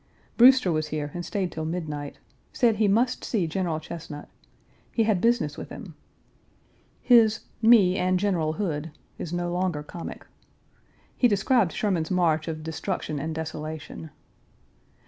Brewster was here and stayed till midnight. Said he must see General Chesnut. He had business with him. His "me and General Hood" is no longer comic. He described Sherman's march of destruction and desolation.